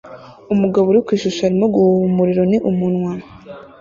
umugabo uri ku ishusho arimo guhuha umuriro ni umunwa